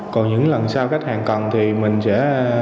còn những lần sau khách hàng cần thì mình sẽ